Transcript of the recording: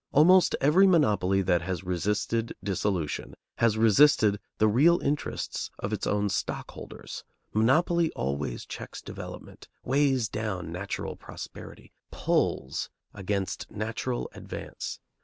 Almost every monopoly that has resisted dissolution has resisted the real interests of its own stockholders. Monopoly always checks development, weighs down natural prosperity, pulls against natural advance.